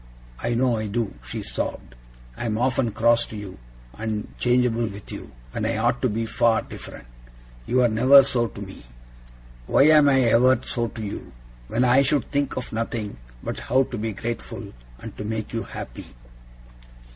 I know I do!' she sobbed. 'I'm often cross to you, and changeable with you, when I ought to be far different. You are never so to me. Why am I ever so to you, when I should think of nothing but how to be grateful, and to make you happy!